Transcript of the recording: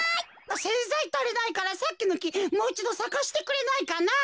せんざいたりないからさっきのきもういちどさかせてくれないかな。